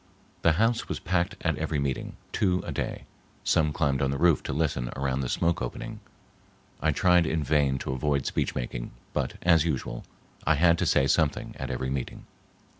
The house was packed at every meeting, two a day. Some climbed on the roof to listen around the smoke opening. I tried in vain to avoid speechmaking, but, as usual, I had to say something at every meeting.